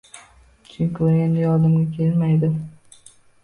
Chunki u endi yonimga kelmaydi